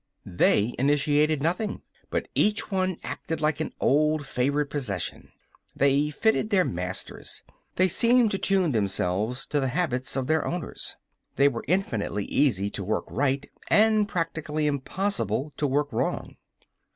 They initiated nothing. But each one acted like an old, favorite possession. They fitted their masters. They seemed to tune themselves to the habits of their owners. They were infinitely easy to work right, and practically impossible to work wrong.